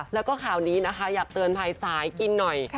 แล้วก็ข่าวนี้นะคะอยากเตือนภัยสายกินหน่อย